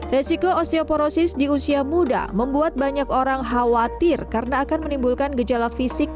resiko osteoporosis di usia muda membuat banyak orang khawatir karena akan menimbulkan gejala fisik